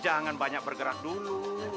jangan banyak bergerak dulu